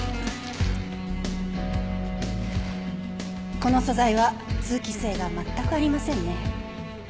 この素材は通気性が全くありませんね。